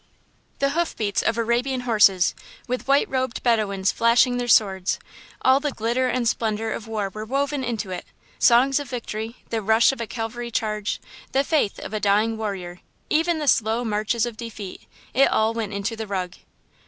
"The hoof beats of Arabian horses, with white robed Bedouins flashing their swords; all the glitter and splendour of war were woven into it. Songs of victory, the rush of a cavalry charge, the faith of a dying warrior, even the slow marches of defeat it all went into the rug.